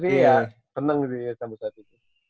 tapi ya ya seneng sih sama satu